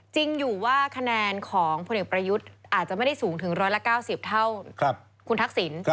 จริงอยู่ว่าคะแนนของพลเอกประยุทธ์อาจจะไม่ได้สูงถึง๑๙๐เท่าคุณทักษิณ